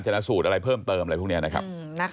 ชนะสูตรอะไรเพิ่มเติมอะไรพวกนี้นะครับ